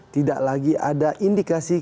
tidak lagi ada indikasi